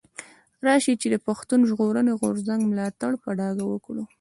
راشئ چي د پښتون ژغورني غورځنګ ملاتړ په ډاګه وکړو.